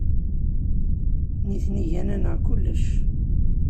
Nitni gan-aneɣ kullec.